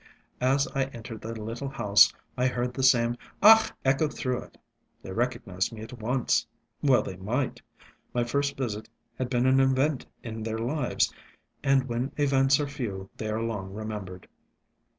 As I entered the little house I heard the same "Ach!" echo through it. They recognised me at once. ... Well they might! My first visit had been an event in their lives, and when events are few they are long remembered.